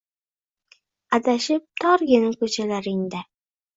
Adashib torgina ko’chalaringda